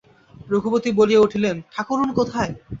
রঘুপতি বলিয়া উঠিলেন, ঠাকুরুন কোথায়?